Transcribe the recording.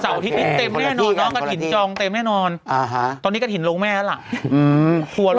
กระถิ่นจองเต็มแน่นอนตอนนี้กระถิ่นลงแม่แล้วล่ะ